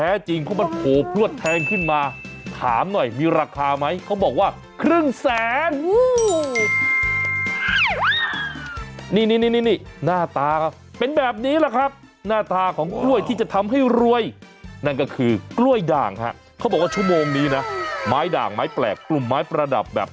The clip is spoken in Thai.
เออยังไม่รับลังฮิตเหรอนะทรัพย์ในดินอย่างแท้จริงเพราะมันโผล่พลวดแทงขึ้นมา